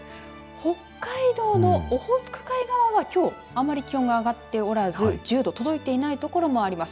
北海道のオホーツク海側はきょうあまり気温が上がっておらず１０度に届いていない所もあります。